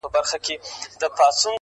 د بانډار مرکز هم وو.